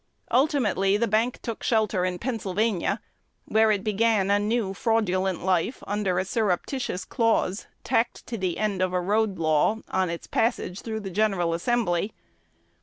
Ultimately the bank took shelter in Pennsylvania, where it began a new fraudulent life under a surreptitious clause tacked to the end of a road law on its passage through the General Assembly.